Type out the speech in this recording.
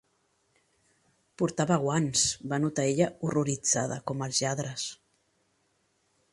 Portava guants, va notar ella horroritzada, com els lladres.